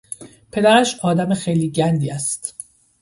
پدرش آدم خیلی گندی است.